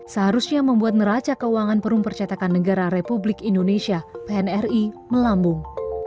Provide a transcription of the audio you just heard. pertama penelusuran utang perum percatakan negara republik indonesia pnri melambung